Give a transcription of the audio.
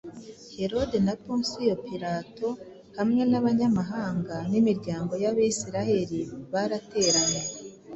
Herode na Pontiyo Pilato hamwe n’abanyamahanga n’imiryango y’Abisirayeli barateranye